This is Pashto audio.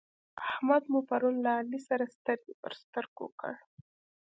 احمد مو پرون له علي سره سترګې پر سترګو کړ.